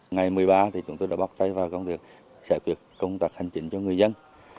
ngày một mươi ba thì chúng tôi đã bóc tay vào công việc giải quyết công tập hành trình cho người dân